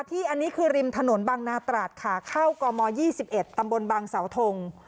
ที่อันนี้คือริมถนนบังนาตราดค่ะเข้ากอมยี่สิบเอ็ดตำบลบังสาวทง